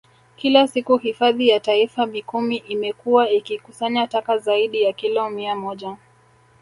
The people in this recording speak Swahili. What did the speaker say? Kila siku Hifadhi ya Taifa Mikumi imekuwa ikikusanya taka zaidi ya kilo mia moja